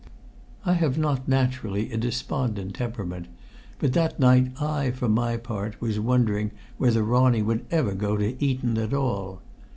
I have not naturally a despondent temperament, but that night I for my part was wondering whether Ronnie would ever go to Eton at all.